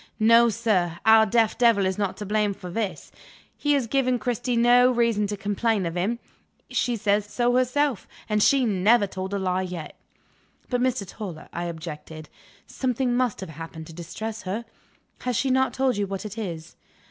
No, sir; our deaf devil is not to blame for this. He has given Cristy no reason to complain of him. She says so herself and she never told a lie yet." "But, Mr. Toller," I objected, "something must have happened to distress her. Has she not told you what it is?"